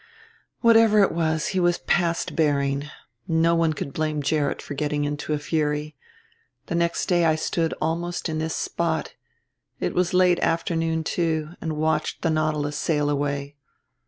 "Whatever it was he was past bearing. No one could blame Gerrit for getting into a fury. The next day I stood almost in this spot, it was late afternoon too, and watched the Nautilus sail away.